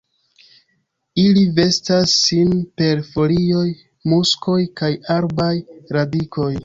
Ili vestas sin per folioj, muskoj kaj arbaj radikoj.